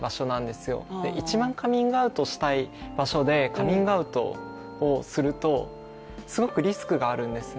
カミングアウトしたい場所でカミングアウトをすると、すごくリスクがあるんですね。